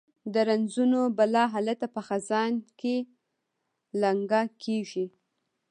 د رنځونو بلا هلته په خزان کې لنګه کیږي